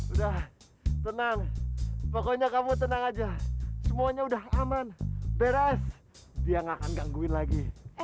udah tenang pokoknya kamu tenang aja semuanya udah aman beres dia gak akan gangguin lagi